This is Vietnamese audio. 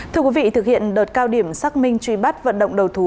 thưa quý vị thực hiện đợt cao điểm xác minh truy bắt vận động đầu thú